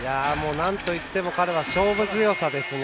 なんといっても彼は勝負強さです。